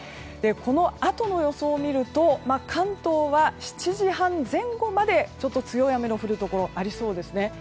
このあとの予想を見ると関東は７時半前後までちょっと強い雨の降るところがありそうですね。